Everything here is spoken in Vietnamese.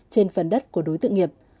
trên phần đất của đối tượng nghiệp